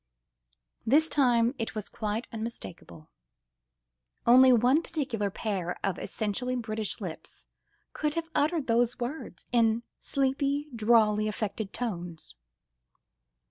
This time it was quite unmistakable, only one particular pair of essentially British lips could have uttered those words, in sleepy, drawly, affected tones.